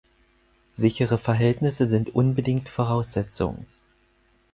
Sichere Verhältnisse sind unbedingt Voraussetzung.